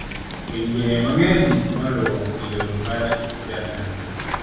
pinje mang'eny noluwo kido mar siasa ni